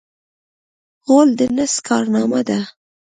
غول د نس کارنامه ده.